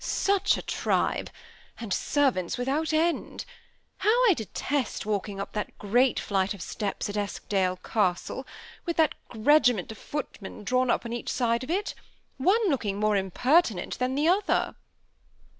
Such a tribe ! and servants without end. How I detest walking up that great flight of steps at Eskdale Castle, with that regiment of footmen drawn up on each side of it ; one looking more impertinent than the other